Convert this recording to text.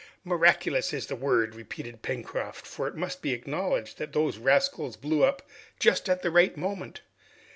"Miraculous is the word," repeated Pencroft, "for it must be acknowledged that those rascals blew up just at the right moment!